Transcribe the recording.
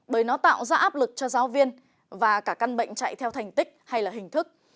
bởi nó tạo ra áp lực cho giáo viên và cả căn bệnh chạy theo thành tích hay là hình thức